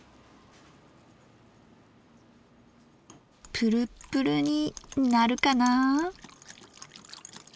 プルプルになるかな。